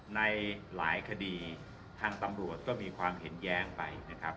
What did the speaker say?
ในหลายคดีทางตำรวจก็มีความเห็นแย้งไปนะครับ